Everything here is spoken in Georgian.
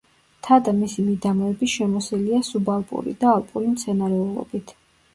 მთა და მისი მიდამოები შემოსილია სუბალპური და ალპური მცენარეულობით.